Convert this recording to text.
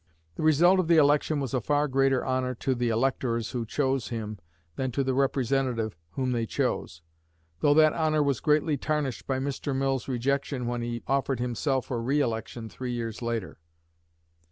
The result of the election was a far greater honor to the electors who chose him than to the representative whom they chose; though that honor was greatly tarnished by Mr. Mill's rejection when he offered himself for re election three years later.